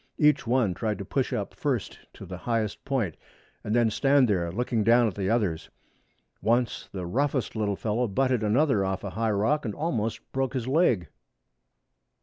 Each one tried to push up first to the highest point, and then stand there, looking down at the others. Once the roughest little fellow butted another off a high rock and almost broke his leg.